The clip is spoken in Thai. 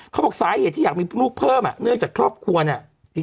เขาบอกสาเหตุที่อยากมีลูกเพิ่มอ่ะเนื่องจากครอบครัวเนี่ย